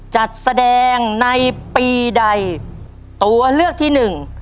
จัดแสดงในปีใดตัวเลือกที่หนึ่ง